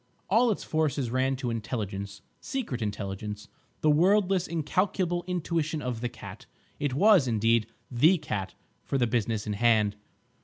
All its forces ran to intelligence—secret intelligence, the wordless incalculable intuition of the Cat. It was, indeed, the cat for the business in hand.